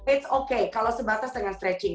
it's okay kalau sebatas dengan stretching